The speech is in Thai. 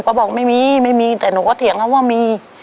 เขาบอกไม่มีแต่หนูก็เถียงเขาว่ามี